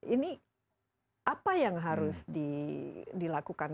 ini apa yang harus dilakukan